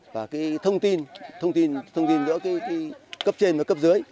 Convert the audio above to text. và thông tin giữa cấp trên và cấp dưới